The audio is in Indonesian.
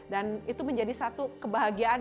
dan itu menjadi satu kebahagiaan